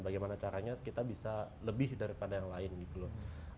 bagaimana caranya kita bisa lebih daripada yang lain gitu loh